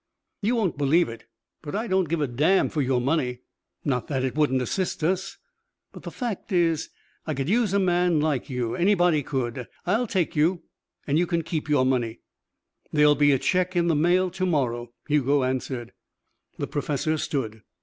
"You won't believe it, but I don't give a damn for your money. Not that it wouldn't assist us. But the fact is I could use a man like you. Anybody could. I'll take you and you can keep your money." "There will be a check in the mail to morrow," Hugo answered. The professor stood.